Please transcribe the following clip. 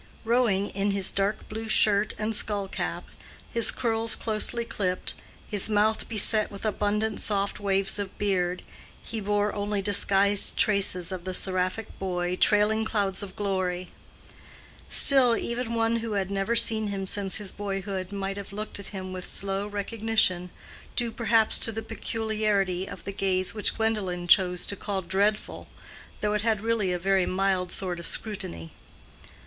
Rowing in his dark blue shirt and skull cap, his curls closely clipped, his mouth beset with abundant soft waves of beard, he bore only disguised traces of the seraphic boy "trailing clouds of glory." Still, even one who had never seen him since his boyhood might have looked at him with slow recognition, due perhaps to the peculiarity of the gaze which Gwendolen chose to call "dreadful," though it had really a very mild sort of scrutiny.